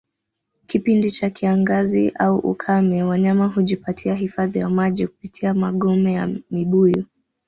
Kipindi cha kiangazi au ukame Wanyama hujipatia hifadhi ya maji kupitia magome ya mibuyu